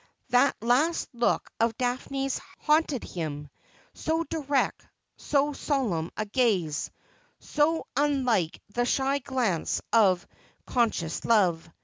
That last look of Daphne's haunted him — so direct, so solemn a gaze, so unlike the shy glance of con scious love.